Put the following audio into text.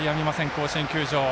甲子園球場。